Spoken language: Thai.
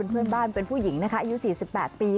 เพื่อนบ้านเป็นผู้หญิงนะคะอายุ๔๘ปี